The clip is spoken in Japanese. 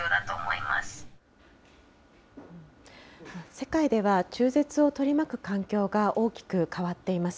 世界では、中絶を取り巻く環境が大きく変わっています。